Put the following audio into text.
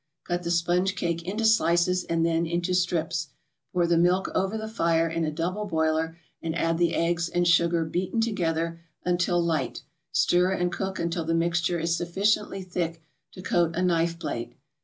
Cut the sponge cake into slices and then into strips. Put the milk over the fire in a double boiler and add the eggs and sugar beaten together until light; stir and cook until the mixture is sufficiently thick to coat a knife blade.